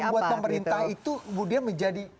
apa yang membuat pemerintah itu kemudian menjadi